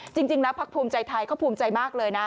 จริงแล้วพักภูมิใจไทยเขาภูมิใจมากเลยนะ